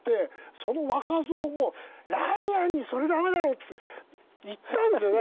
その若造も「ライアンにそれダメだろ」って。行ったんですよね。